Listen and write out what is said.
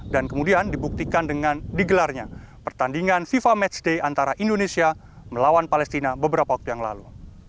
dan kemudian dibuktikan dengan digelarnya pertandingan fifa match day antara indonesia melawan palestina beberapa waktu yang lalu